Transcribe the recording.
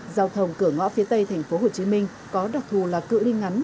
giao thông cửa ngõ phía tây thành phố hồ chí minh có đặc thù là cựa đi ngắn